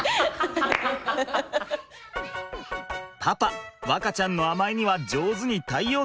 パパ和花ちゃんの甘えには上手に対応できるかな？